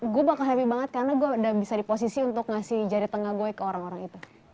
gue bakal happy banget karena gue udah bisa di posisi untuk ngasih jari tengah gue ke orang orang itu